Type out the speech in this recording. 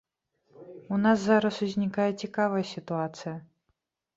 У нас зараз узнікае цікавая сітуацыя.